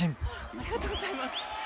ありがとうございます。